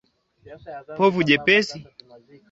wakingojea ishara ya ibada kutoka kwa Keekonyukie